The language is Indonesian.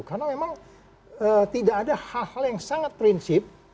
karena memang tidak ada hal hal yang sangat prinsip